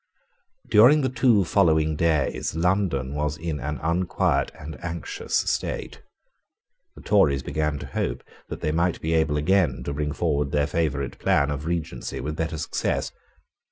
During the two following days London was in an unquiet and anxious state. The Tories began to hope that they might be able again to bring forward their favourite plan of Regency with better success.